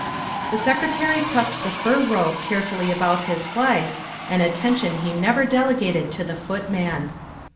The Secretary tucked the fur robe carefully about his wife an attention he never delegated to the footman.